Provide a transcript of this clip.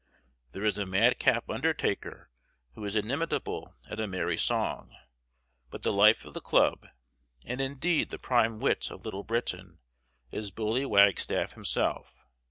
There is a madcap undertaker who is inimitable at a merry song, but the life of the club, and indeed the prime wit of Little Britain, is bully Wagstaff himself.